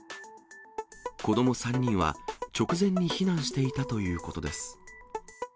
子ども３人は、直前に避難していたということです。